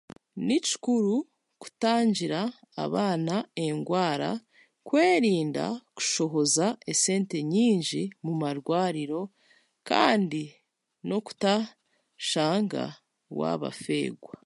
Ni kikuru kutangira abaana endwara, kwerinda kushohoza esente nyingi mumarwariro, kandi n'okutashanga waabafeegwa.